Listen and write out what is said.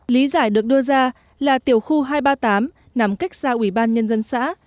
lý giải được đưa ra là tiểu khu hai trăm ba mươi tám nằm cách xa ủy ban nhân dân xã